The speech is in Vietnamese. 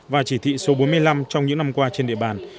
và chỉ thị số bốn mươi năm trong những năm qua trên địa bàn